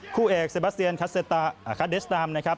คู่เอกเซบาเซียนคัสเดสดามนะครับ